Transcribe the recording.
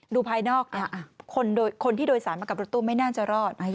ภายนอกคนที่โดยสารมากับรถตู้ไม่น่าจะรอด